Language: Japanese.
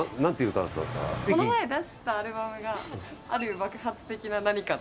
この前出したアルバムが「ある爆発的な何か」。